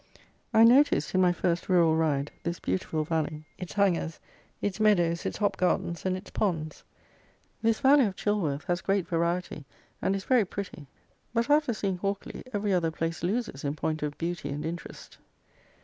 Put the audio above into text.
I noticed, in my first Rural Ride, this beautiful valley, its hangers, its meadows, its hop gardens, and its ponds. This valley of Chilworth has great variety, and is very pretty; but after seeing Hawkley, every other place loses in point of beauty and interest.